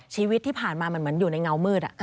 ชีวิตที่ผ่านมามันเหมือนอยู่ในเงามืด